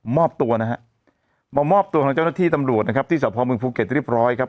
ตัวนะฮะมามอบตัวของเจ้าหน้าที่ตำรวจนะครับที่สะพอเมืองภูเก็ตเรียบร้อยครับ